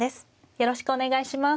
よろしくお願いします。